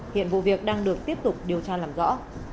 hiện vụ việc đang được tiếp tục điều tra làm rõ